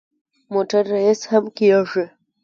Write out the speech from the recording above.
موټر ریس هم کېږي.